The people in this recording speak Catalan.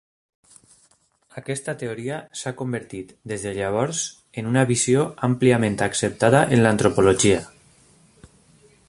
Aquesta teoria s'ha convertit des de llavors en una visió àmpliament acceptada en l'antropologia.